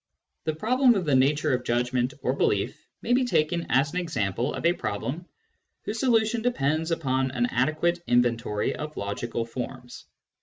The problem of the nature of judgment or belief may be taken as an example of a problem whose solution depends upon an adequate inventory of logical forms.